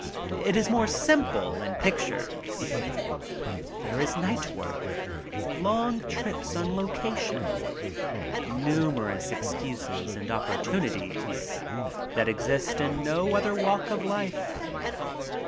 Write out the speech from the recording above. It is more simple — in pictures. There is night work — long trips on loca tion. Numerous excuses and opportunities that exist in no other walk of life.